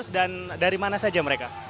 terus dan dari mana saja mereka